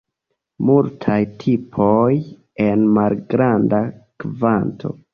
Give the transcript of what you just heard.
Multaj tipoj en malgranda kvanto.